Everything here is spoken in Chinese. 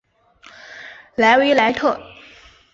莱维莱特。